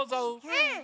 うん！